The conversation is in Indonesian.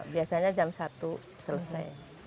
biasanya jam satu selesai